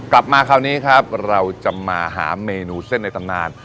กลับมาคราวนี้ครับเราจะมาหาเมนูเส้นในตำนาน